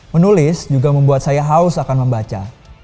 menulis juga membuat saya haus akan membaca